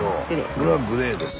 俺はグレーです。